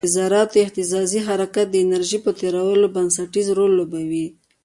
د ذراتو اهتزازي حرکت د انرژي په تیرولو کې بنسټیز رول لوبوي.